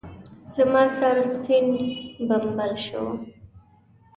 زما سر سپين بمبل شو.